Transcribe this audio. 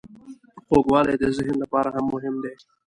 خوږوالی د ذهن لپاره هم مهم دی.